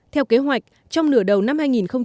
theo kế hoạch trong nửa đầu năm hai nghìn một mươi tám